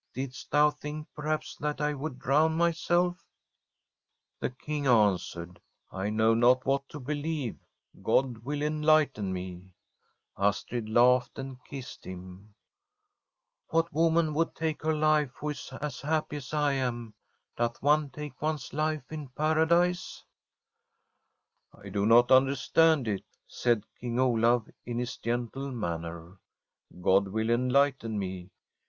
* Didst thou think, perhaps, that I would drown myself? ' The King answered : From a SWEDISH HOMESTEAD ' I know not what to believe ; God will en lighten me.' Astrid laughed and kissed him. ' What woman would take her life who is as happy as I am? Doth one take one's life in Paradise ?'' I do not understand it/ said King Olaf, in his gentle manner. * God will enlighten me.